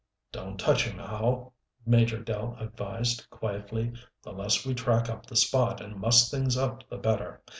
"Don't touch him, Hal," Major Dell advised, quietly. "The less we track up the spot and muss things up the better.